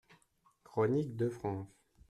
=Chroniques de France.